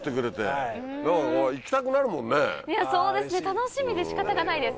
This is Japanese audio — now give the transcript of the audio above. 楽しみで仕方がないです。